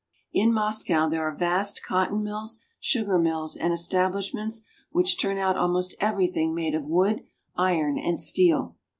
In Moscow there are vast cotton mills, sugar mills, and establishments which turn out almost everything made of wood, iron, and steel.